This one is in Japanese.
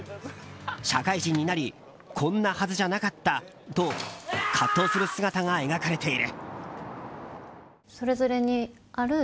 社会人になりこんなはずじゃなかったと葛藤する姿が描かれている。